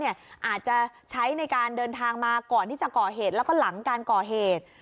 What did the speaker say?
อาจจะใช้ในการเดินทางมาก่อนที่จะก่อเหตุแล้วก็หลังการก่อเหตุ